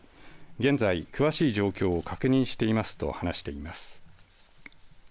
現在詳しい状況を確認していますと話しています。